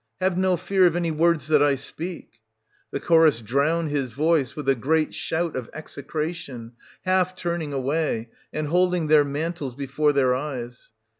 Have no fear of any words that I speak — {The Chorus drozvn his voice with a great shout of execration, half turning aivay, and holding their mantles before their eyes.)